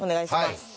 はい。